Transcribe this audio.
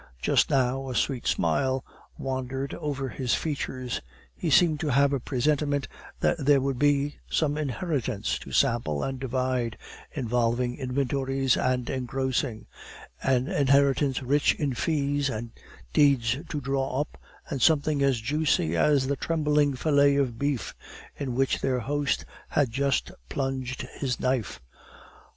Just now a sweet smile wandered over his features. He seemed to have a presentiment that there would be some inheritance to sample and divide, involving inventories and engrossing; an inheritance rich in fees and deeds to draw up, and something as juicy as the trembling fillet of beef in which their host had just plunged his knife.